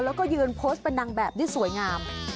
แล้วก็ยืนโพสต์เป็นนางแบบได้สวยงาม